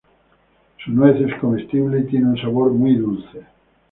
Su nuez es comestible y tiene un sabor muy dulce.